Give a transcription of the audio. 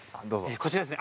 こちらですね。